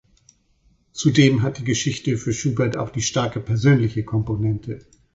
Zudem hat die Geschichte für Schubert auch die starke persönliche Komponente.